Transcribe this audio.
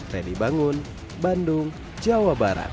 ready bangun bandung jawa barat